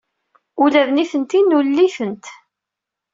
Ula d nitenti nulel-itent.